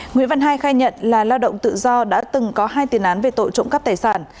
nguyễn văn hai khai nhận là lao động tự do đã từng có hai tiền án về tội trộm cắp tài sản